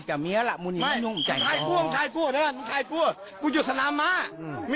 ก็จะมีอะนะมูนี่มายังแม่ยังไม่ชายกันชายกันแม่น